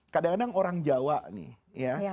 kadang kadang orang jawa nih ya